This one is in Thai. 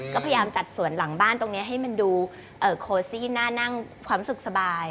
ก็พยายามจัดสวนหลังบ้านตรงนี้ให้มันดูโคซี่น่านั่งความสุขสบาย